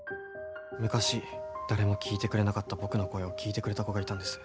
昔誰も聞いてくれなかった僕の声を聞いてくれた子がいたんです。